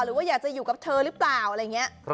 หรือว่าอยากจะอยู่กับเธอหรือเปล่าอะไรอย่างนี้